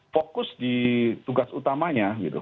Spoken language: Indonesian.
fokus di tugas utamanya gitu